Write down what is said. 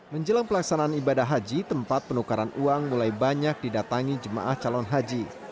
menjelang pelaksanaan ibadah haji tempat penukaran uang mulai banyak didatangi jemaah calon haji